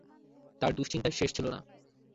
তার দুশ্চিন্তার শেষ ছিল না।